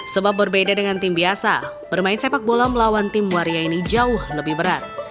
sebab berbeda dengan tim biasa bermain sepak bola melawan tim waria ini jauh lebih berat